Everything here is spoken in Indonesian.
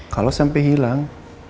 kalau sampai hilang